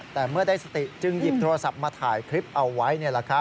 แต่เมื่อได้สติจึงหยิบโทรศัพท์มาถ่ายคลิปเอาไว้